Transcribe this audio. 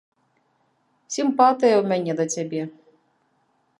Сімпатыя ў мяне да цябе.